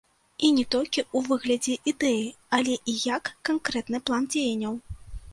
І не толькі ў выглядзе ідэі, але і як канкрэтны план дзеянняў.